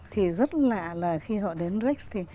thì rất lạ là khi họ đến rex thì